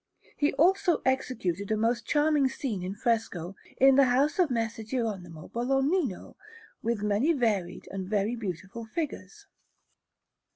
He also executed a most charming scene in fresco in the house of Messer Gieronimo Bolognino, with many varied and very beautiful figures.